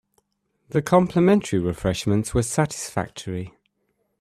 The complimentary refreshments were satisfactory.